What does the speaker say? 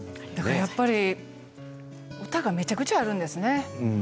やっぱり歌がめちゃくちゃあるんですね。